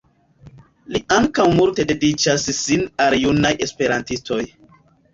Li ankaŭ multe dediĉas sin al junaj esperantistoj.